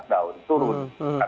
di seluruh dunia shutdown turun